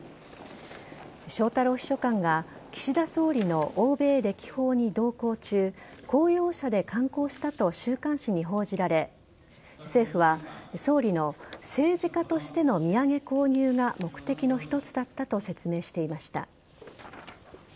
翔太郎秘書官が岸田総理の欧米歴訪に同行中公用車で観光したと週刊誌に報じられ、政府は総理の政治家としての土産購入が目的の一つだったと説明していました。